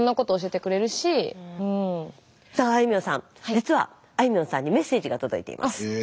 実はあいみょんさんにメッセージが届いています。